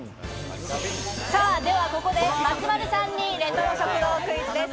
ではここで松丸さんにレトロ食堂クイズです。